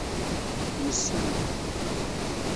Yessen.